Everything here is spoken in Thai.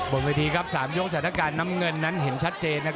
บนกระทีครับ๓ยกศัตรกาลน้ำเงินนั้นเห็นชัดเจนนะครับ